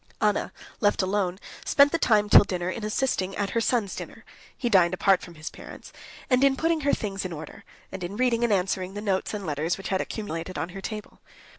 Anna, left alone, spent the time till dinner in assisting at her son's dinner (he dined apart from his parents) and in putting her things in order, and in reading and answering the notes and letters which had accumulated on her table.